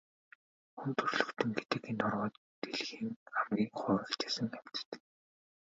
Хүн төрөлхтөн гэдэг энэ хорвоо дэлхийн хамгийн хувиа хичээсэн амьтад.